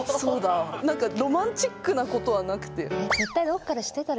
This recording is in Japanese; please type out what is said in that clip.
なんかロマンチックなことはなくて。